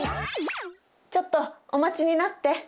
ちょっとお待ちになって。